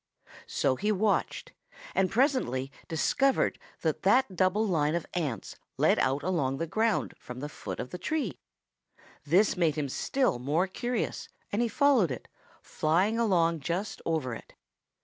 So he watched and presently discovered that that double line of ants led out along the ground from the foot of the tree. This made him still more curious and he followed it, flying along just over it.